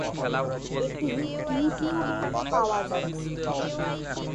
এটি ইউটিউবে পাওয়া যাচ্ছে।